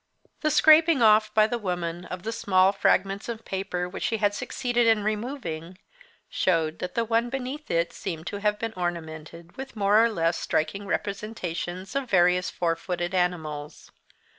The scraping off, by the woman, of the small fragments of paper which she had succeeded in removing, showed that the one beneath it seemed to have been ornamented with more or less striking representations of various four footed animals.